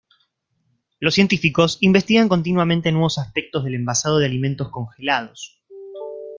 Los científicos investigan continuamente nuevos aspectos del envasado de alimentos congelados.